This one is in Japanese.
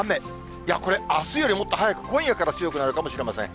いや、これ、あすよりもっと早く、今夜から強くなるかもしれません。